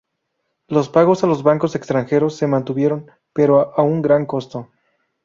Los pagos a los bancos extranjeros se mantuvieron, pero a un gran costo.